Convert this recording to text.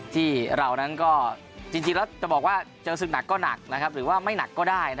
ที่เรานั้นก็จริงแล้วจะบอกว่าเจอศึกหนักก็หนักหรือว่าไม่หนักก็ได้